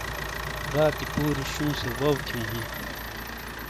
راتی پُوری شُوں سے وَو تھِیوں ہُوں۔